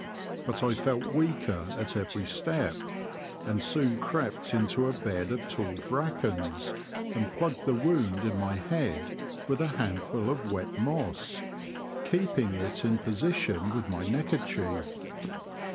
But I felt weaker at every step, and soon crept into a bed of tall brackens, and plugged the wound in my head with a handful of wet moss, keeping it in position with my neckerchief.